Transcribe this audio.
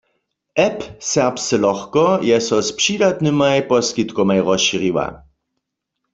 App „Serbsce lochko“ je so z přidatnymaj poskitkomaj rozšěriła.